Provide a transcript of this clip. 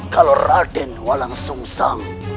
kalau raden walang sungsang